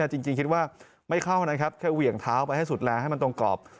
จริงคิดว่าไม่เข้านะครับแค่เหวี่ยงเท้าไปให้สุดแรงให้มันตรงกรอบ